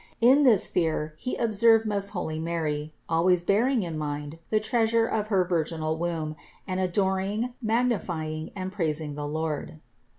In this fear he observed most holy Mary, always bearing in mind the Treasure of her virginal womb and adoring, magnifying and praising the Lord.